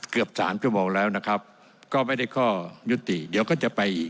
เกือบสามชั่วโมงแล้วนะครับก็ไม่ได้ข้อยุติเดี๋ยวก็จะไปอีก